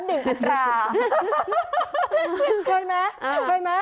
หนึ่งอันตรา